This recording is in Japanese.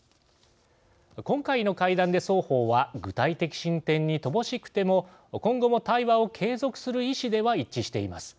今回の会談で双方は具体的進展に乏しくても今後も対話を継続する意思では一致しています。